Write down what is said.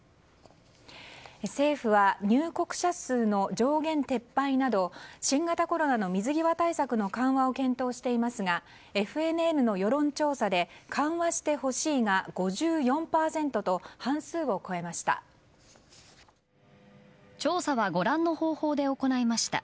政府は入国者数の上限撤廃など新型コロナの水際対策の緩和を検討していますがＦＮＮの世論調査で緩和してほしいが５４％と半数を超えました。